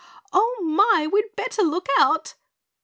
"Oh, my! We'd better look out!"